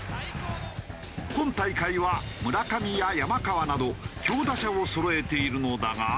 今大会は村上や山川など強打者をそろえているのだが。